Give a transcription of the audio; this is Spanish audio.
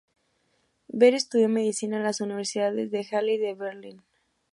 Behr estudió medicina en las Universidades de Halle y de Berlín.